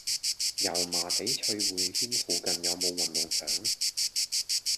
油麻地翠匯軒附近有無運動場？